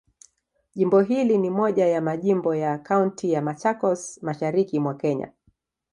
Jimbo hili ni moja ya majimbo ya Kaunti ya Machakos, Mashariki mwa Kenya.